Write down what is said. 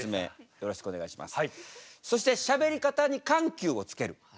よろしくお願いします。